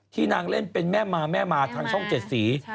นางเล่นเป็นแม่มาแม่มาทางช่องเจ็ดสี